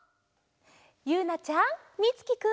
ゆうなちゃんみつきくん。